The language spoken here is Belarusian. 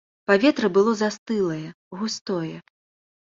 Паветра было застылае, густое.